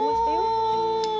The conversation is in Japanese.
お！